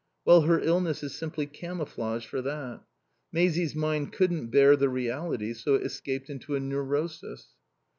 Well, her illness is simply camouflage for that. Maisie's mind couldn't bear the reality, so it escaped into a neurosis.